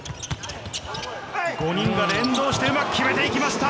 ５人が連動してうまく決めていきました。